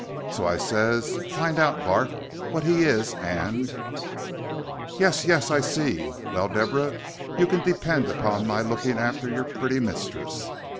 So I ses, find out, Bart, what he is, and " "Yes, yes, I see. Well, Deborah, you can depend upon my looking after your pretty mistress.